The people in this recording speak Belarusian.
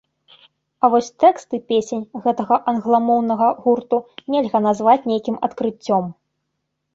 А вось тэксты песень гэтага англамоўнага гурту нельга назваць нейкім адкрыццём.